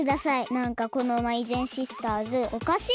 なんかこのまいぜんシスターズおかしい！